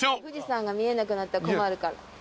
富士山が見えなくなったら困るから。